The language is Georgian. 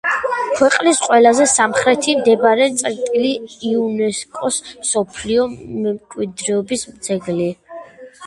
ქვეყნის ყველაზე სამხრეთით მდებარე წერტილი, იუნესკოს მსოფლიო მემკვიდრეობის ძეგლი.